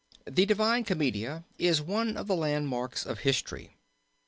"The Divina Commedia is one of the landmarks of history.